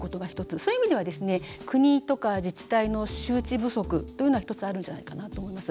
そういう意味では国とか自治体の周知不足というのは１つあるんじゃないかなと思います。